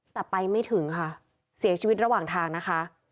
แต่ไปไม่ถึงค่ะเสียชีวิตระหว่างทางนะคะ